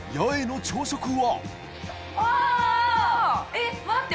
えっ待って